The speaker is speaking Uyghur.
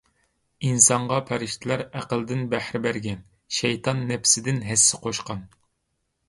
ئىنسانغا پەرىشتىلەر ئەقلىدىن بەھرە بەرگەن، شەيتان نەپسىدىن ھەسسە قوشقان.